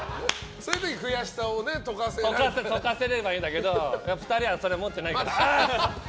そういう時、悔しさを溶かせればいいんだけどそれを２人は持ってないから。